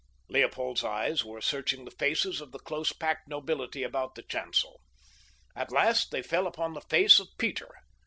Leopold's eyes were searching the faces of the close packed nobility about the chancel. At last they fell upon the face of Peter.